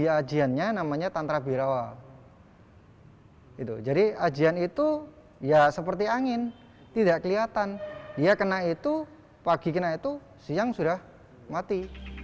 ya ajiannya namanya tantra birawa itu jadi ajian itu ya seperti angin tidak kelihatan dia kena itu pagi kena itu siang sudah mati